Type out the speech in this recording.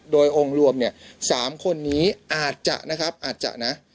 โดยองค์รวมเนี่ย๓คนนี้อาจจะนะครับอาจจะนะ